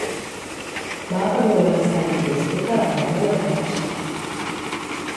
Va abandonar l'escena artística, la Rosa, llavors?